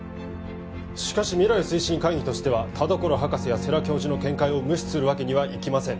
しかし未来推進会議としては田所博士や世良教授の見解を無視するわけにはいきません